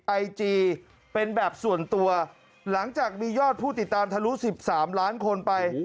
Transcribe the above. ไอจีเป็นแบบส่วนตัวหลังจากมียอดผู้ติดตามทะลุ๑๓ล้านคนไป